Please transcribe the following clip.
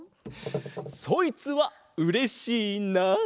そいつはうれしいなあ！